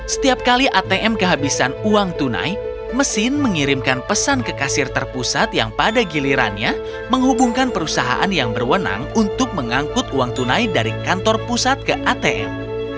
setiap kali atm kehabisan uang tunai mesin mengirimkan pesan ke kasir terpusat yang pada gilirannya menghubungkan perusahaan yang berwenang untuk mengangkut uang tunai dari kantor pusat ke atm